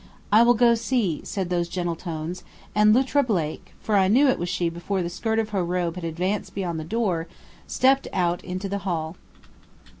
"I will go see," said those gentle tones, and Luttra Blake, for I knew it was she before the skirt of her robe had advanced beyond the door, stepped out into the hall.